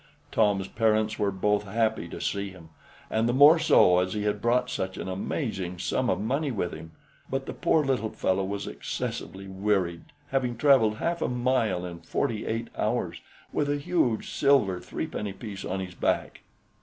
Tom's parents were both happy to see him, and the more so as he had brought such an amazing sum of money with him; but the poor little fellow was excessively wearied, having traveled half a mile in forty eight hours, with a huge silver threepenny piece on his back.